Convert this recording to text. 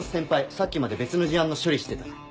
さっきまで別の事案の処理してたから。